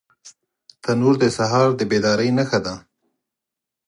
تنور د سهار د بیدارۍ نښه ده